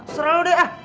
serah lo deh ah